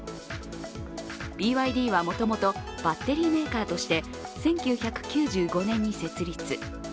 ＢＹＤはもともとバッテリーメーカーとして１９９５年に設立。